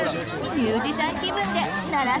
ミュージシャン気分で鳴らしてみよう！